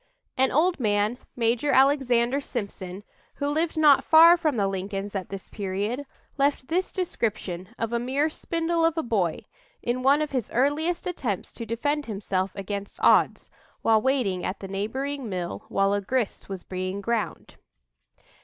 An old man, Major Alexander Sympson, who lived not far from the Lincolns at this period, left this description of "a mere spindle of a boy," in one of his earliest attempts to defend himself against odds, while waiting at the neighboring mill while a grist was being ground.